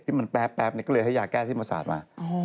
ที่มันแป๊บก็เลยให้ยาแก้เส้นประสาทมา